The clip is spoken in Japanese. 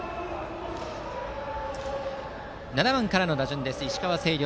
７番からの打順、石川・星稜。